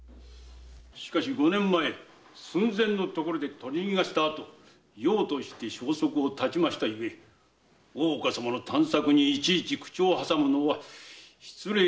しかし五年前寸前のところで取り逃がしたあと杳として消息を絶ちましたゆえ大岡様の探索にいちいち口を挟むのは失礼かと思いまして。